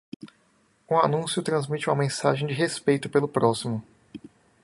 O anúncio transmite uma mensagem de respeito pelo próximo.